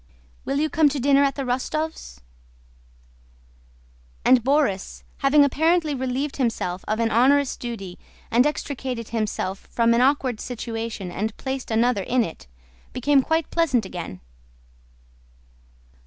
Will you come to dinner at the Rostóvs'?" And Borís, having apparently relieved himself of an onerous duty and extricated himself from an awkward situation and placed another in it, became quite pleasant again.